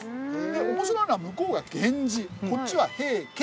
で面白いのは向こうが「源氏」こっちは「平家」。